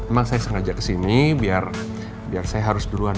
emang saya sengaja ke sini biar saya harus duluan